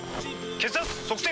血圧測定！